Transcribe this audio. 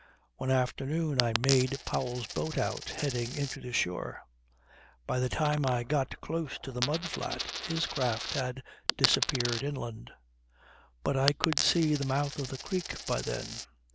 One afternoon, I made Powell's boat out, heading into the shore. By the time I got close to the mud flat his craft had disappeared inland. But I could see the mouth of the creek by then.